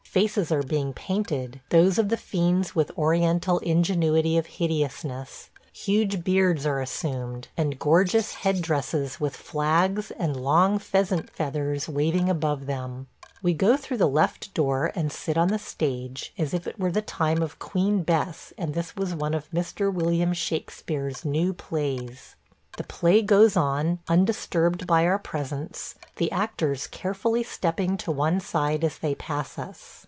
Faces are being painted – those of the fiends with Oriental ingenuity of hideousness – huge beards are assumed, and gorgeous head dresses with flags and long pheasant feathers waving above them. We go through the left door and sit on the stage, as if it were the time of Queen Bess and this was one of Mr. William Shakespeare's new plays. The play goes on, undisturbed by our presence, the actors carefully stepping to one side as they pass us.